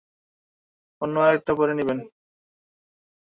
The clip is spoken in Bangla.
অন্য আরেকটা পরে নিবেন।